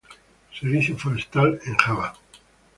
Servicio Forestal", en Java.